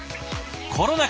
コロナ禍